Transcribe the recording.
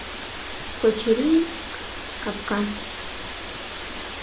Кочыри-ик! капка.